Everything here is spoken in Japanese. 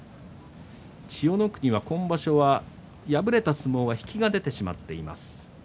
千代の国、今場所は敗れた相撲は引きが出てしまっています。